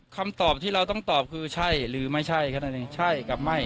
คำตอบที่เราต้องตอบคือใช่หรือไม่ใช่แค่นั้นเองใช่กับไม่